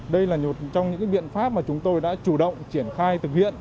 đây là một trong những biện pháp mà chúng tôi đã chủ động triển khai thực hiện